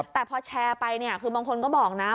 แต่พอแชร์ไปเนี่ยคือบางคนก็บอกนะ